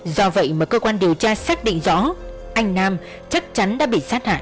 do vậy mà cơ quan điều tra xác định rõ anh nam chắc chắn đã bị sát hại